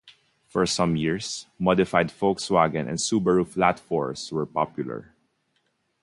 For some years modified Volkswagen and Subaru flat-fours were popular.